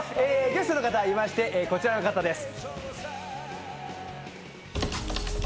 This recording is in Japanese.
ゲストの方がいまして、こちらの方です。